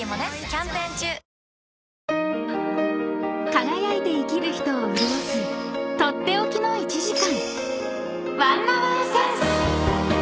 ［輝いて生きる人を潤す取って置きの１時間］